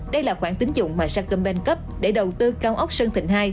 đây là khoản tính dụng mà sacombank cấp để đầu tư cao ốc sơn thịnh hai